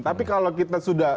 tapi kalau kita sudah